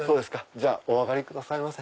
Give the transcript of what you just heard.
じゃあお上がりくださいませ。